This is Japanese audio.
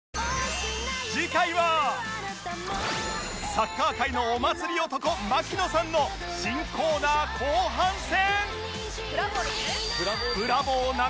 サッカー界のお祭り男槙野さんの新コーナー後半戦！